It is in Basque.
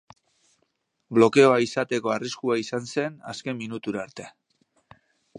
Blokeoa izateko arriskua izan zen azken minutura arte.